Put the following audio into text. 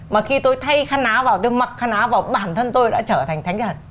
mà khi tôi thay khăn ná vào tôi mặc khăn áo và bản thân tôi đã trở thành thánh thần